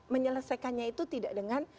menyelesaikannya itu tidak dengan